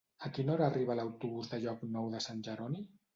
A quina hora arriba l'autobús de Llocnou de Sant Jeroni?